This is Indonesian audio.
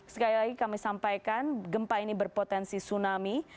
sekali lagi kami sampaikan gempa ini berpotensi tsunami